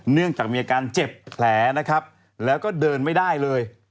เนื่องจากมีอาการเจ็บแผลนะครับแล้วก็เดินไม่ได้เลย